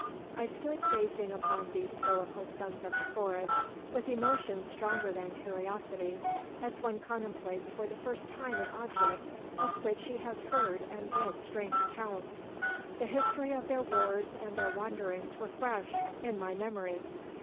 I stood gazing upon these stoical sons of the forest with emotions stronger than curiosity, as one contemplates for the first time an object of which he has heard and read strange accounts. The history of their wars and their wanderings were fresh in my memory.